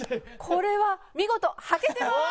これは見事はけてます！